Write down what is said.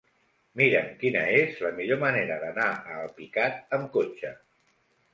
Mira'm quina és la millor manera d'anar a Alpicat amb cotxe.